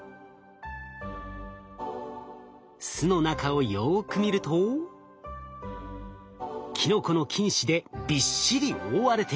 巣の中をよく見るとキノコの菌糸でびっしり覆われています。